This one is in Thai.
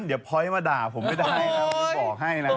เดี๋ยวพอยต์มาด่าผมไม่ได้นะผมบอกให้นะ